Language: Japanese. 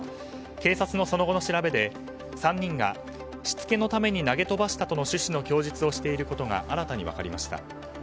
警察のその後の調べで、３人がしつけのために投げ飛ばしたとの趣旨の供述をしていることが新たに分かりました。